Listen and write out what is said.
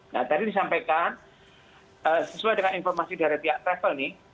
nah tadi disampaikan sesuai dengan informasi dari pihak travel nih